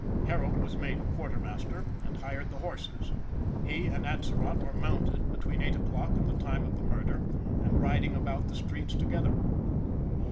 Harold was made quartermaster, and hired the horses. He and Atzerott were mounted between 8 o'clock and the time of the murder, and riding about the streets together.